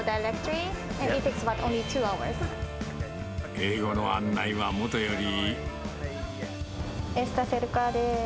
英語の案内はもとより。